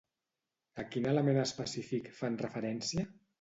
A quin element específic fan referència?